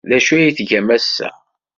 D acu ay tgam ass-a?